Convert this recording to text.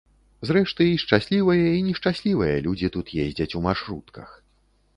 Зрэшты, і шчаслівыя, і нешчаслівыя людзі тут ездзяць у маршрутках.